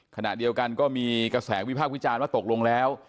ขณะเดียวกันก็มีกระแสวิพากษ์วิจารณ์ว่าตกลงแล้ว